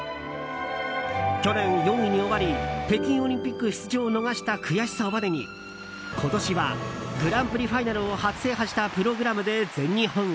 去年４位に終わり北京オリンピック出場を逃した悔しさをバネに今年はグランプリファイナルを初制覇したプログラムで全日本へ。